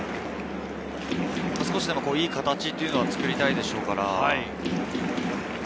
少しでもいい形というのを作りたいでしょうから。